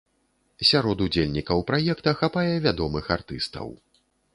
Сярод удзельнікаў праекта хапае вядомых артыстаў.